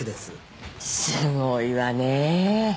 すごいわねぇ